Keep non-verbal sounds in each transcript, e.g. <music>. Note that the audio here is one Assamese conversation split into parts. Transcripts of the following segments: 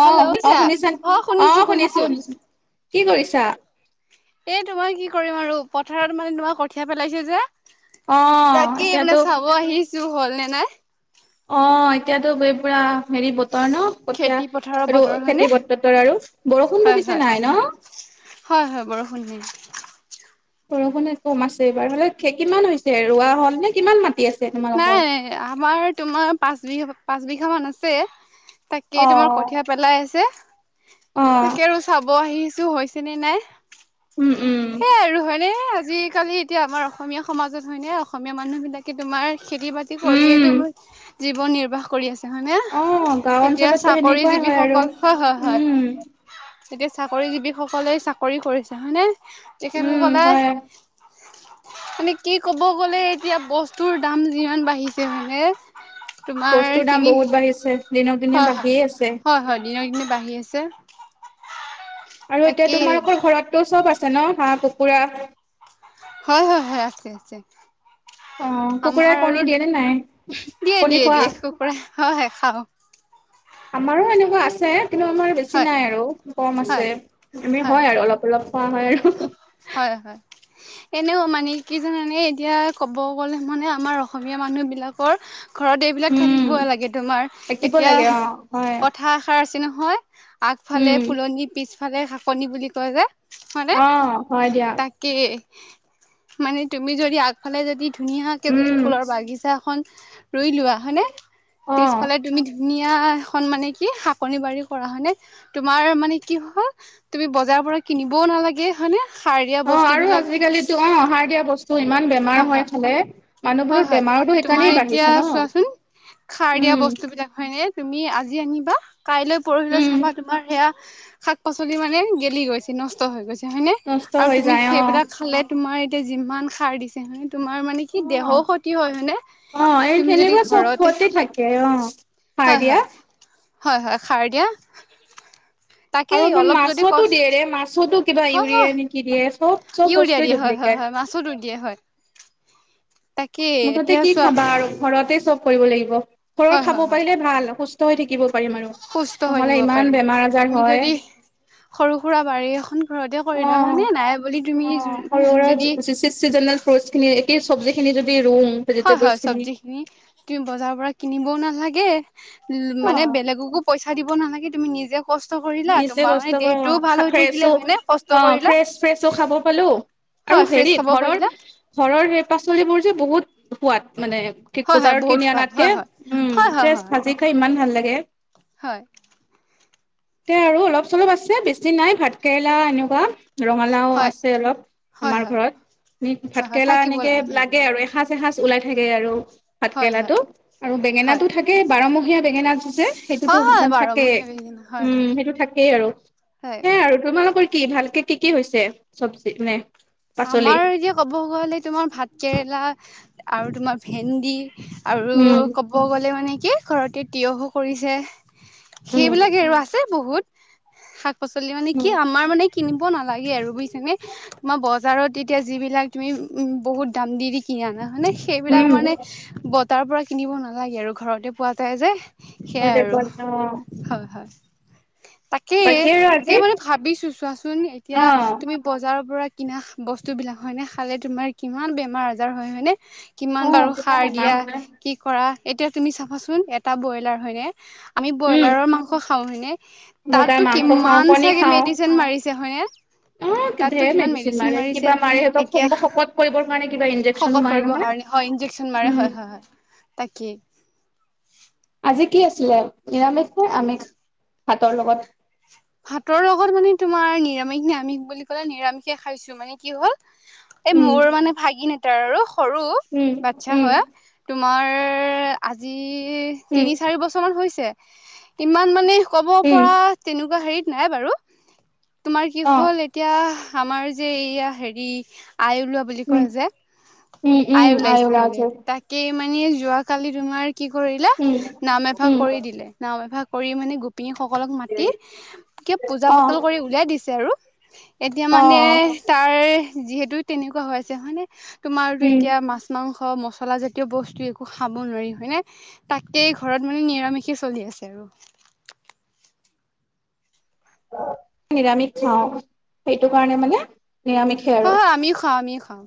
হেল্ল' অ', অ', শুনিছা শুনিছ, শুনিছো অ', শুনিছো শুনিছোঁ, শুনিছোঁ, কি কৰিছা? এই তোমাৰ কি কৰিম আৰু পথাৰত মানে তোমাৰ কঠীয়া পেলাইছে যে। অ', তাকেই, এতিয়াতো মানে চাব আহিছোঁ হ'ল নে নাই। অ', এতিয়াতো গৈ পুৰা, হেৰি বতৰ ন'? খেতি পথাৰৰ কঠিয় আৰু বতৰ হয়নে খেতি পথতৰ আৰু, বৰষুণতটো হয় পিছে হয় নাই ন'? হয়, হয়, বৰষুণহে। বৰষুণে কম আছে এইবাৰ, হ'লেও খে, কিমান হৈছে, ৰোৱা হ'ল নে, কিমান মাটি আছে? তোমালোকৰ? নাই, আমাৰ তোমাৰ পাঁচ বিঘা, পাঁচ বিঘা মান আছে। তাকে, তোমাৰ অ', কঠীয়া পেলাই আছে, তাকে আৰু চাব আহিছোঁ, হৈছে নে নাই। উম, উম। সেয়াই আৰু হয় নে, আজিকালি এতিয়া আমাৰ অসমীয়া সমাজত হয় নে, অসমীয়া মানুহ বিলাকে তোমাৰ খেতি বাতি কৰিয়ে উম, টো, জীৱন নিৰ্বাহ কৰি আছে। হয় নে, অ', গাঁও এতিয়া অঞ্চলততো চাকৰি সেনেকুৱাই হয় আৰু জীৱীসকল, হয়, হয়, উম, হয়। এতিয়া চাকৰি জীৱী সকলে চাকৰি কৰিছে হয়নে, তেখেত উম, সকলে হয় মানে কি ক'ব গ'লে এতিয়া বস্তুৰ দাম যিমান বাঢ়িছে মানে হয়নে, বস্তুৰ তোমাৰ দাম কিনি বহুত বাঢ়িছে দিনক দিনে। হয়, হয়, বাঢ়িয়ে আছে। হয়, হয়। দিনক দিনে বাঢ়ি আছে। আৰু এতিয়া তাকেই তোমালোকৰ ঘৰতটো চব আছে ন? হাঁহ কুকুৰা হয়, হয়, হয়, আছে আছে। অ'। অ' আমাৰ কুকুৰাই আৰু কণী দিয়ে নে নাই দিয়ে কণী দিয়ে খোৱা? দিয়ে কুকুৰা হয় হয় খাওঁ আমাৰো এনেকুৱা আছে, কিন্তু আমাৰ বেছি বেছি হয় নাই আৰু কম হয় আছে। আমি হয় আৰু অলপ অলপ খোৱা হয় আৰু। হয়, হয়। এনেও মানে কি জানানে এতিয়া ক'ব গ'লে মানে আমাৰ অসমীয়া মানুহ বিলাকৰ ঘৰত এইবিলাক উম থাকিব লাগে তোমাৰ, থাকিব এতিয়া লাগে অ হয় কথা এষাৰ আছে নহয় উম আগফালে ফুলনি শাকনি বুলি কয় যে। অ' হয় দিয়া। কি মানে তুমি যদি আগ আগফালে যদি ধুনীয়াকে যদি উম ফুলৰ বাগিচা এখন ৰুই লোৱা হয়নে, অ পিছফালে তুমি ধুনীয়া এখন মানে কি শাকনি বাড়ী কৰা হয়নে, তোমাৰ মানে কি হ'ব? তুমি বজাৰৰ পৰা কিনিবও নালাগে হয় নে। অ' আৰু আজিকালি অ' সাৰ দিয়া বস্তু ইমান বেমাৰ হয় খালে। মানুহবোৰৰ হয়, হয় বেমাৰতো তোমাৰ সেইকাৰণেই এতিয়া বাঢ়িছে ন চোৱাচোন সাৰ দিয়া উম বস্তু বিলাক হয় নে। তুমি আজি আনিবা কাইলৈ পৰহিলৈ উম চাবা তোমাৰ সেয়া শাক পাচলি মানে গেলি গৈছে। নষ্ট হৈ গৈছে হয়নে, নষ্ট আৰু হৈ তুমি যায় অ সেইবিলাক খালে তোমাৰ এতিয়া যিমান সাৰ দিছে ন তোমাৰ মানে সি অ দেহও ক্ষতি হয় হয়নে। মানে অ', এই তুমি যদি তেনেকুৱা ঘৰতে চবতে থাকে অ', সাৰ হয়, দিয়া। হয়। হয়, হয়। সাৰ দিয়া। আৰু তাকেই মানে অলপ যদি মাছতো কষ্ট দিয়েৰে মাছতো কিবা হয় হয় ইউৰিয়া নেকি দিয়ে চব চব বস্তুৱে ডুপ্লিকেট। ছটো দিয়ে হয়। তাকেই মুঠতে এতিয়া কি চোৱা খাবা আৰু ঘৰতে চব কৰিব লাগিব। ঘৰৰ হয় হয় খাব হয় পাৰিলে ভাল সুস্থ হৈ থাকিব পাৰিম আৰু। সুস্থ হৈ নহ'লে থাকিব ইমান পাৰি। বেমাৰ আজাৰ তুমি হয় যদি সৰু সুৰা বাৰী এখন ঘৰতে কৰিলোৱা অ'। হয়নে, নাই বুলি তুমি অ', সৰু সুৰা যদি চিজনেল ফ্ৰুট খিনি একেই চব্জি খিনি যদি ৰুও হয়, হয় চব্জি খিনি তুমি বজাৰৰ পৰা কিনিবও নালাগে মানে অ', বেলেগকো পইচা দিব নালাগে। তুমি নিজে কষ্ট কৰিলা বেছি তোমাৰ মানে কষ্ট কৰা দেহটোও ভাল অ' হৈ থাকিলে ফ্ৰেছো হয়নে কষ্ট অ' কৰিলা ফ্ৰেছ ফ্ৰেছো খাব পালো। হয় আৰু ফ্ৰেছ হেৰি খাব ঘৰৰ পাৰিলা ঘৰৰ সেই পাচলিবোৰ যে বহুত সোৱাদ মানে। ঠিক হয় হয় বজাৰত বহুত কিনি সোৱাদ হয় আনাতকে হয় উম ফ্ৰেছ ভাজি খাই ইমান ভাল লাগে। হয়। তে আৰু অলপ চলপ আছে বেছি নাই। ভাত কেৰেলা এনেকুৱা ৰঙালাও হয় আছে অলপ হয় হয় হয় হয় আমাৰ হয় ঘৰত, হয় হয় ভাতকেৰেলা থাকিব এনেকে থাকিব লাগে আৰু এসাঁজ এসাজ ওলাই থাকে আৰু ভাত হয় হয় কেৰেলাটো আৰু। হয় বেঙেনাতটো থাকেই বাৰমহীয়া বেঙেনাটো যে। সেইটোতো হয় হয় মানে থাকে বাৰমহীয়া বেঙেনা হয় উম হয় সেইটো থাকেই আৰু হয় সেইয়াই আৰু। তোমালোকৰ কি ভালকে কি কি হৈছে চব্জি মানে? পাচলি? আমাৰ এতিয়া ক'ব গ'লে তোমাৰ ভাত কেৰেলা আৰু তোমাৰ ভেন্দি আৰু উম, ক'ব গ'লে মানে কি ঘৰতে তিয়হো কৰিছে উম, সেইবিলাকে আৰু আছে বহুত শাক-পাচলি মানে উম, কি আমাৰ মানে কিনিব নালাগে আৰু বুইছে নে মই বজ বজাৰত এতিয়া যিবিলাক তুমি বহুত দাম দি, দি কিনা <unintelligible> মানে সেইবিলাক উম মানে বতাৰ পৰা কিনিব নালাগে আৰু ঘৰতে পোৱা যাই যে। সেয়াই ঘৰতে আৰু পোৱা অ', হয়, হয়। কে বাকী আৰু তাকে আজি মানে ভাবিছো চোৱাচোন এতিয়া অ', তুমি বজাৰৰ পৰা কিনা বস্তুবিলাক হয়নে খালে তোমাৰ কিমান বেমাৰ-আজাৰ হয়, হয়নে কিমান অ', বাৰু সাৰ বেমাৰ দিয়া হয়। কি কৰা এতিয়া তুমি চাবাচোন এটা ব্ৰইলাৰ হয়নে আমি উম, ব্ৰইলাৰৰ মাংস খাওঁ হয়নে বজাৰ তাততো মাংস খাওঁ, কিমান কণী চাগে খাওঁ। মেডিচিন মাৰিছে হয়নে অ', তাতটো ধেৰ কিমান মেডিচিন মেডিচি ন মাৰে মাৰিছে কিবা মাৰে সিহঁতক এতিয়া শকত কৰিবৰ কাৰণে কিবা ইনজেকচনো শকত মাৰে কৰিব নহয়। কাৰণে অ' ইনজেকচ মাৰে উম, হয়, হয়, হয়। তাকে। আজি কি আছিলে নিৰামিষ নে আমিস ভাতৰ লগত? ভাতৰ লগত মানে তোমাৰ নিৰামিষ নে আমিষ বুলি ক'লে নিৰামিষে খাইছো মানে কি হ'ল এ উম, মোৰ মানে ভাগিন এটাৰ আৰু সৰু উম, বাচ্ছা উম, হয় তোমাৰ আজি উম, তিনি, চাৰি বছৰমান হৈছে কিমান মানে ক'ব উম, পৰা তেনেকুৱা হেৰিত নাই বাৰু তোমাৰ কি অ', হ'ল এত এতিয়া আমাৰ যে এইয়া হেৰি আই ওলোৱা বুলি উম, কয় যে উম, আই উম, ওলাইছে আইওলা মানে আছে। তাক কেই মানি যোৱাকালি তোমাৰ কি কৰিলে উম, নাম এভা উম, কৰি দিলে। নাম এভাগ কৰি মানে গোপিনীসকলক মাতি কিবা অ', পূজা-পাতল কৰি উলিয়াই দিছে আৰু এতিয়া মানে অ', তাৰ যিহেতু তেনেকুৱা হৈ আছে হয় নে, তোমাৰতো উম, এতিয়া মাছ মাংস মছলাজাতীয় বস্তু একো খাব নোৱাৰি হয়নে? তাকেই ঘৰত মানে নিৰামিশে চলি আছে আৰু। নিৰামিষ খাওঁ সেইটো কাৰণে মানে নিৰামিষে আৰু। হয়, হয় আমিও খাওঁ, আমিও খাওঁ।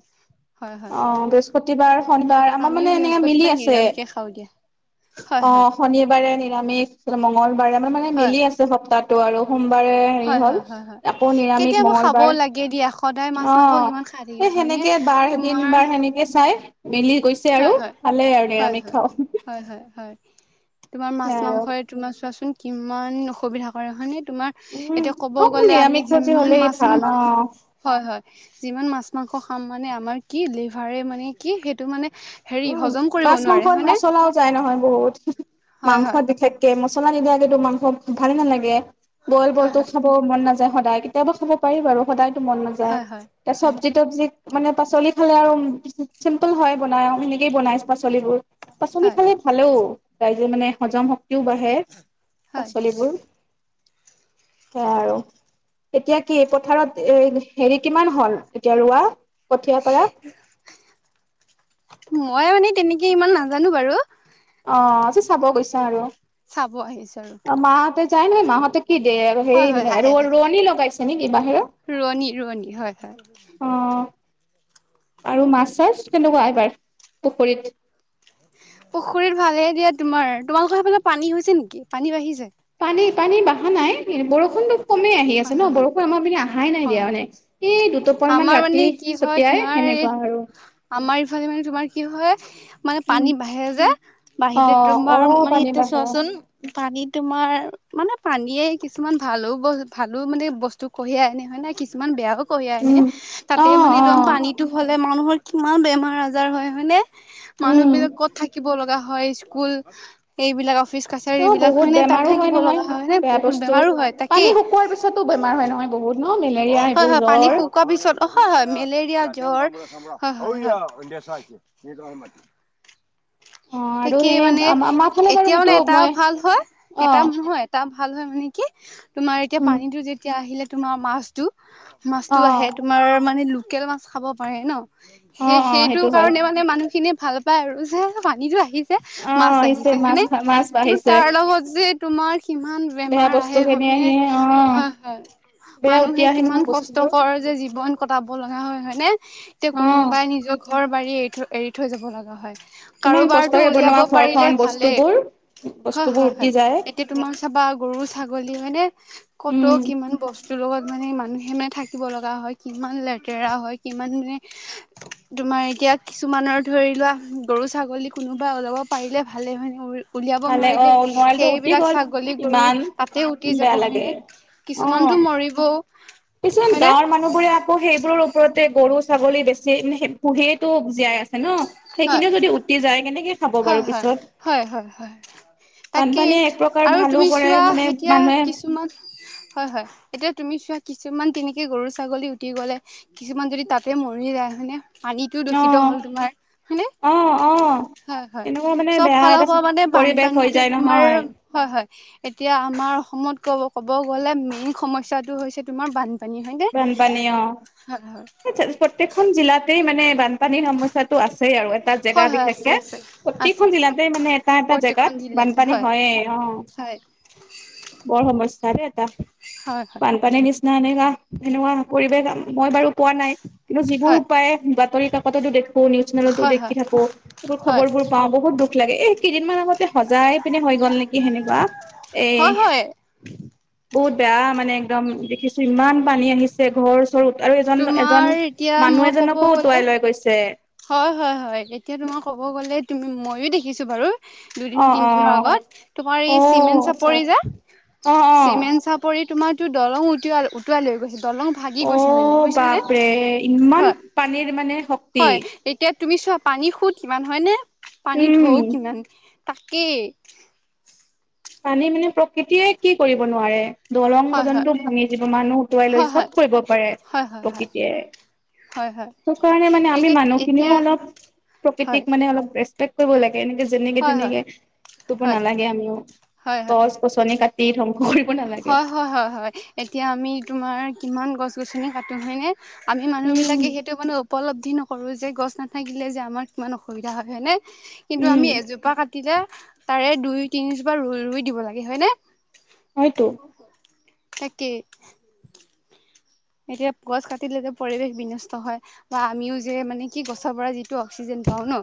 হয় হয় অ' বৃহস্পতিবাৰ, শনিবাৰ আমাৰ আমিও মানে এনেকে মিলি বৃহস্পতিবাৰ আছে। নিৰামিষে খাওঁ দিয়া। হয় হয় অ' শনিবাৰে নিৰামিষ <unintelligible> মংগলবাৰে মানে, মানে হয় মিলি আছে গোটেই সপ্তাহটো আৰু সোমবাৰে হেৰি হয়, হ'ল হয়, হয়, হয় আকৌ নিৰামিষ কেতিয়াবা খাবও মঙ্গলবাৰ লাগে দিয়া সদায় মাছ-মাংস অ', কিমান খাই থাকিবা হয়নে তোমাৰ এনে চাই মিলি গৈছে হয় আৰু হয় খালে আৰু হয় নিৰামিষ হয় খাও। হয়, হয়, হয় তোমাৰ মাছ- আৰু মাংসই তোমাৰ চোৱাচোন কিমান অসুবিধা কৰে হয়নে তোমাৰ উম, এতিয়া ক'ব অ', গ'লে আমি নিৰামিষ ভোজী যিমান হ'লেই ভাল মাছ-মাংস খা অ'। হয়, হয় যিমান মাছ-মাংস খাম মানে আমাৰ কি লিভাৰে মানে কি সেইটো মানে হেৰি উ, হজম কৰিব নোৱাৰে মাচ-মাংসত হয়নে মচলা যাই নহয় বহুত হয় হয় মাংসত বিশেষকে মছলা নিদিয়াকেতো মাংস ভালেই নালাগে। বইল, হয় বইলতো হয় খাব মন নাযায় সদায় কেতিয়াবা খাব পাৰি বাৰু সদায়তো মন নাযায় হয় তে হয় হয় চব্জি-তবজি মানে পাচলি খালে আৰু চিম্পল হয় বনায়া সেনেকেই বনাই পাচলিবোৰ। পাচলি হয় খালে ভালেও, ৰাইজে মানে হজম শক্তিও বাঢ়ে। <unintelligible> হয় পাচলিবোৰ সেয়া আৰু। এতিয়া কি পথাৰত এ হেৰি কিমান হ'ল, এতিয়া ৰোৱা কঠিয়া পাৰা? মই মানে তেনেকে ইমান নাজানো বাৰু। অ', আজি চাব গৈছা আৰু। চাব আহিছো আৰু অ', মাহঁতে যাই নে মাহঁতে কি দে হেৰি হয় হয় আহে আহে ৰ-ৰোৱনী লগাইছে নেকি বাহিৰ ৰোৱনী ৰোৱনী হয়, হয়। অ', আৰু মাছ-চাছ কেনেকুৱা এইবাৰ পুখুৰীত? পুখুৰীত ভালে দিয়া তোমাৰ। তোমালোকৰ সেইফালে পানী হৈছে নেকি পানী বাঢ়িচে? পানী পানী বাহা নাই, বৰষুণটো কমেই আহি আছে হয় হয় ন' হয় বৰষুন আমাৰ পিনে অহাই নাই হয় দিয়া হয় মানে, এই দুটোপাল মান আমাৰ মানে ৰাতি কি হয় ছতিয়াই তোমাৰ এই সেনেকুৱা আৰু। আমাৰ এইফালে মানে তোমাৰ কি হয়, মানে উম পানী বাঢ়ে যে অ বাঢ়িলে অ তোমাৰ মানে পানী এতিয়া বাঢ়া চোৱাচোন পানী তোমাৰ, মানে পানীয়ে কিছুমান ভালো ব ভালো মানে বস্তু কঢ়িয়াই আনে হয় নাই কিছুমান বেয়াও কঢ়িয়াই আনে। উম তাতে অ মানে অ একদম পানীটো হলে মানুহৰ কিমান বেমাৰ আজাৰ হয় হয়নে? মানুহ উম বিলাক ক'ত থাকিব লগা হয়, স্কুল এইবিলাক অফিচ অ কাছাৰীবিলাক বহুত হয়নে তাত বেমাৰো হয় থাকিব নহয় লগা হয় নে, বেয়া বহুত বস্তু বেমাৰো হয় পানী তাকেই। শুকোৱাৰ পিছতো বেমাৰ হয় নহয় বহুত ন' মেলেৰিয়া এইবোৰ জ্বৰ? শুকুৱা পিছত হয়, হয়, মেলেৰিয়া জ্বৰ হয়, হয়। <unintelligible> অ আৰু তাকেই সেই মানে, আমাৰ ফালে বাৰু এতিয়া সেইটো মানে এটা মই ভাল হয়, অ এটা নহয় এটা ভাল হয় মানে কি, তোমাৰ এতিয়া উম পানীতো যেতিয়া আহিলে তোমাৰ মাছ টো মাছটো অ আহে, তোমাৰ মানে লোকেল মাছ খাব পাৰে ন'! অ অ সেই-সেইটো সেইটো হয় কাৰণে, মানে মানুহ খিনিয়ে ভাল পায় আৰু যে পানীতো আহিছে অ মাছ আহিছে মাছ হয়নে। খা মাছ কিন্তু, বাঢ়িছে তাৰ লগত যে তোমাৰ কিমান বেয়া বেমাৰ বস্তু আহে খিনি হয় নে? আহি অ হয়, হয়, বেয়া উটি মানুহে আহে কিমান নহয় বস্তুবোৰ কষ্টকৰ যে জীৱন কটাব লগা হয় হয়নে? এতিয়া অ কোনোবাই নিজৰ ঘৰ বাৰী এৰি থৈ, এৰি থৈ যাব লগা হয়। ইমান কাৰোবাৰটো কষ্টৰে উলিয়াব বনোৱা ঘৰখন পাৰিলে ভালেই। বস্তুবোৰ হয়, বস্তুবোৰ হয়, উটি হয়, যায় এতি তোমাৰ চাবা গৰু ছাগলী হয়নে? উম ক'ত কিমান বস্তুৰ লগত মানে <unintelligible> থাকিব লগা হয়, কিমান লেতেৰা হয় কিমান মানে তোমাৰ এতিয়া কিছুমানৰ ধৰি লোৱা, গৰু-ছাগলী কোনোবাই ওলাব পাৰিলে ভালে হয় নে? উলিয়াব ভালে অ নোৱাৰিলে নোৱাৰিলেটো উটি সেইবিলাক গ'ল ছাগলী গৰু ইমান তাতে উটি যাব বেয়া লাগে হয়নে? কিছুমানটো অ মৰিবও। কিছুমান হয়নে গাঁৱৰ মানুহবোৰে আকৌ সেইবোৰৰ ওপৰতে গৰু-ছাগলী বেছি পুহিয়েটো জীয়াই আছে ন'? হয় সেইখিনিও যদি উটি যায় কেনেকে খাব হয় বাৰু হয় পিছত। হয় হয় হয় তাকেই বানপানীয়ে এক প্ৰকাৰ আৰু ভালো তুমি কৰে চোৱা মানে এতিয়া মানুহে কিছুমান হয়, হয়, এতিয়া তুমি চোৱা কিছুমান তেনেকে গৰু ছাগলী উটি গ'লে কিছুমান যদি তাতে মৰি যায় হয়নে, পানীটো অ দূষিত হ'ল তোমাৰ হয়নে? অ অ হয়, হয়, এনেকুৱা মানে চব বেয়া ফালৰ এটা পৰা মানে পৰিৱেশ হৈ বানপানীটোৱে যায় তোমাৰ নহয় হয়, হয়, এতিয়া আমাৰ অসমত ক'ব ক'ব গ'লে মেইন সমস্যাটো হৈছে তোমাৰ বান পানী হয় নে? বানপানী অ হয়, হয়। প্ৰত্যেকখন জিলাতেই মানে বানপানীৰ সমস্যাটো আছেই আৰু। এটা জেগা হয় হয় আছে বিশেষকে আছে আছে প্ৰতিখন জিলাতে মানে এটা এটা প্ৰত্যেকখন জেগাত জিলাতে বানপানী হয় হয়েই অ'। হয় বৰ সমস্যা দেই এটা। হয়, হয়। বান পানীৰ নিচিনা এনেকা সেনেকুৱা পৰিৱেশ মই বাৰু পোৱা নাই। কিন্তু যিবোৰ হয় উপায়ে বাতৰি কাকততো দেখো। নিউজ চেনেলতো হয় দেখি থাকো এইবোৰ হয় হয় খবৰবোৰ পাওঁ বহুত দূখ লাগে এই কেইদিনমান আগতে হজাই পিনে হৈ গ'ল নেকি সেনেকুৱা এ হয় হয় বহুত বেয়া মানে একদম দেখিছোঁ ইমান পানী আহিছে ঘৰৰ ওচ ৰত আৰু এজন এজন তোমাৰ এতিয়া মই মানুহ ক'ব এজনকো গ'লে উটুৱাই লৈ গৈছে হয় হয় হয় এতিয়া তোমাৰ ক'ব গ'লে তুমি ময়ো দেখিছো বাৰু দুদিন অ অ তিনদিনৰ আগত তোমাৰ অ এই চিমেণ্ট আচ্ছা চাপৰি যে অ অ চিমেণ্ট চাপ পৰি তোমাৰতো দলং উটু উটুৱাই লৈ গৈছে দলং ভাগি অ গৈছে মানে বুজিছে নে বাপৰে ইমান হয় পানীৰ ইমানে শক হয় এতিয়া তুমি চোৱা পানীৰ সুত কিমান হয় নে পানীৰ ঢৌ উম কিমান তাকেই পানীয়ে মানে প্ৰকৃতিয়ে কি কৰিব নোৱাৰে দলং হয় পৰ্যন্ত ভাঙি দিব মানুহ উটুৱাই লৈ হয় হয় হয় চব কৰিব পাৰে হয় হয় হয় প্ৰকৃতিয়ে হয় হয় সেই কাৰণে মানে এই আমি মানুহখিনিও এতিয়া অলপ হয় প্ৰকৃতিক মানে অলপ ৰেচ পেক্ট কৰিব লাগে এনেকে যেনেকে হয় হয় তেনেকে ক'ব হয় নালাগে আমিও হয় হয় হয় গছ গছনি কাটি ধ্বংস কৰিব নালাগে হয় হয় হয় এতিয়া আমি তোমাৰ কিমান গছ গছনি কাটো হয়নে আমি মানুহ উম বিলাকে সেইটো মানে উপলব্ধি ন কৰোঁ যে গছ নাথাকিলে যে আমাৰ কিমান অসুবিধা হয় হয়নে কিন্তু উম আমি এজোপা কাটিলে তাৰে দুই তিনিজোপা ৰুই ৰুই দিব লাগে হয়নে হয়তো তাকেই এতিয়া গছ কাটিলে যে পৰিৱেশ বিনষ্ট হয় বা আমিও যে মানে কি গছৰ পৰা যিটো অক্সিজেন পাওঁ ন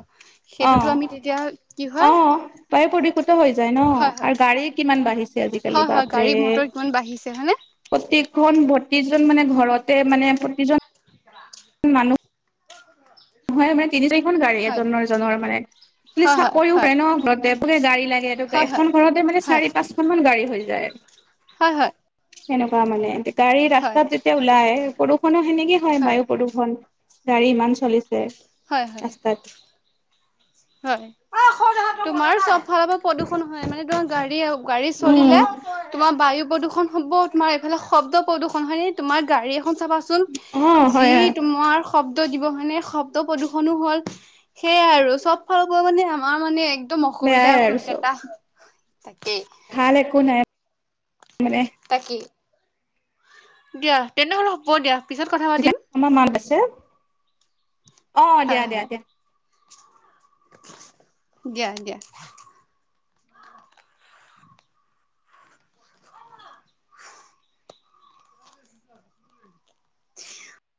সেইটোতো আমি তেতিয়া কি অ' হয় অ' বায়ু প্ৰদূষিত হৈ যায় ন হয় হয় আৰু গাড়ী কিমান বাঢ়িছে আজিকালি হয় হয় বাপৰে গাড়ী মটৰ কিমান বাঢ়িছে হয়নে প্ৰতিখন প্ৰতিজন মানে ঘৰতে মানে প্ৰতিজন মানুহ নহয় মানে তিনি চাৰিখন গাড়ী হয় এজনৰ এজনৰ মানে খালি হয় হয় চাকৰিও হয় কৰে ন ঘৰতে <unintelligible> গাড়ী লাগে এটো হয় এখন ঘৰতে মানে হয় চাৰি পাঁচখন মান গাড়ী হৈ যায় <inaudible> হয় হয় সেনেকুৱা মানে গাড়ী হয় ৰাস্তাত যেতিয়া ওলাই প্ৰদূষণো সেনেকে হয় বায়ু প্ৰদূষণ গাড়ী ইমান চলিছে হয় হয় ৰাস্তাত হয় তোমাৰো চব ফালৰ পৰা প্ৰদূষণ হয় মানে তোমাৰ গাড়ী গাড়ী চলিলে উম তোমাৰ বায়ু প্ৰদূষণ হ'ব তোমাৰ এইফালে শব্দ প্ৰদূষণ হয় নে তোমাৰ গাড়ী এখন চাবা চোন অ যি হয় হয় তোমাৰ শব্দ দিব মানে শব্দ প্ৰদূ্ষনো হ'ল, সেয়াই আৰু চব ফালৰ পৰা মানে আমাৰ মানে- একদম বেয়াই অসুবিধা আৰু অসুবিধা চব তা তাকেই। ভাল একো নাই মানে। তাকেই। দিয়া তেনেহ'লে হ'ব দিয়া, পিছত কথা পাতিম। আমাৰ মাক মাতিছে। হয় হয়, দিয়া দিয়া দিয়া।